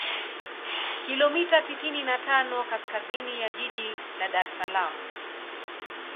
kilomita sitini na tano kaskazini ya jiji la Dar es Salaam